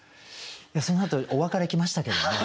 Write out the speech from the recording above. そのあとお別れ来ましたけども。